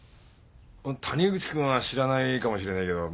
谷口君は知らないかもしれないけど